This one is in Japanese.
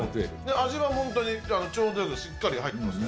味は本当に、ちょうどよく、しっかり入ってますね。